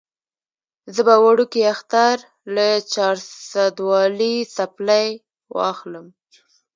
زه به وړوکي اختر له چارسدوالې څپلۍ اخلم